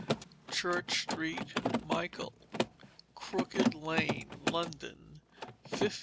Church St. Michael, Crooked Lane, London, 1537.